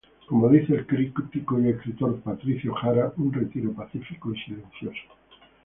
Como dice el crítico y escritor Patricio Jara: "Un retiro pacífico y silencioso.